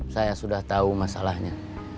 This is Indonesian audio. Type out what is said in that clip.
saya sudah tau masalahnya